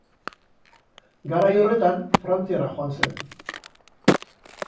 Garai horretan Frantziara joan zen.